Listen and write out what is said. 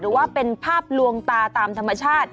หรือว่าเป็นภาพลวงตาตามธรรมชาติ